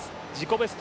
ベスト